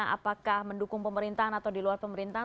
apakah mendukung pemerintahan atau di luar pemerintahan